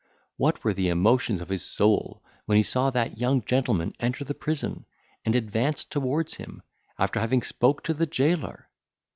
What were the emotions of his soul, when he saw that young gentleman enter the prison, and advance towards him, after having spoke to the jailor!